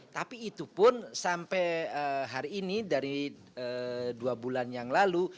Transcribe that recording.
tapi itu pun sampai hari ini dari dua bulan yang lalu